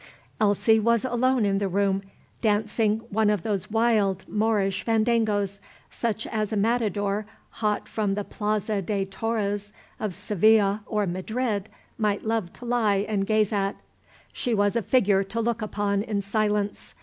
Elsie was alone in the room, dancing one of those wild Moorish fandangos, such as a matador hot from the Plaza de Toros of Seville or Madrid might love to lie and gaze at. She was a figure to look upon in silence.